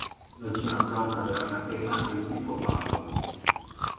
La cima più alta della catena è il Picco Patchor.